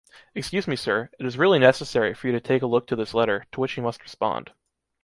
Excuse me Sir, it is really necessary for you to take a look to this letter, to which you must respond.